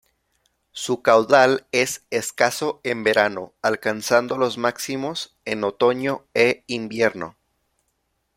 Su caudal es escaso en verano, alcanzando los máximos en otoño e invierno.